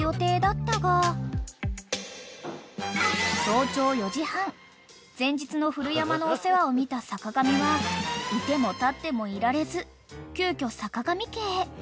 ［早朝４時半前日の古山のお世話を見た坂上は居ても立ってもいられず急きょ坂上家へ］